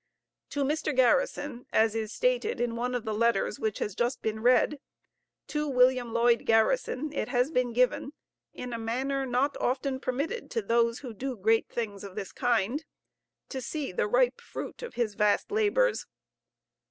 To Mr. Garrison, as is stated in one of the letters which has just been read, to William Lloyd Garrison it has been given, in a manner not often permitted to those who do great things of this kind, to see the ripe fruit of his vast labors.